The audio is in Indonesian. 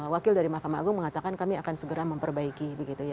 wakil dari mahkamah agung mengatakan kami akan segera memperbaiki